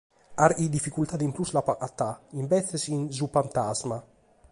Carchi dificultade in prus l’apo agatada, imbetzes, in “Su pantasma”.